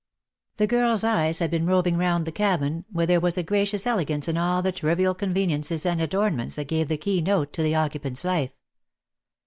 The girl's eyes had been roving round the cabin, where there was a gracious elegance in all the trivial conveniences and adornments that gave the key note to the occupant's life.